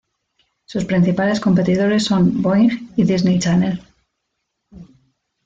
Sus principales competidores son Boing y Disney Channel.